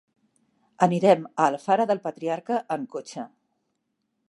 Anirem a Alfara del Patriarca amb cotxe.